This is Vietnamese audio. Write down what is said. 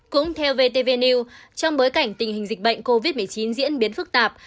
cũng theo vtv trong bối cảnh tình hình dịch bệnh covid một mươi chín diễn biến phức tạp